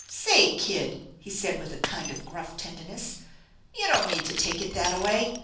" Say, kid/' he said, with a kind of gruff tenderness, " you don't need to take it that a way.